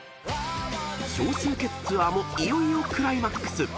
［少数決ツアーもいよいよクライマックス］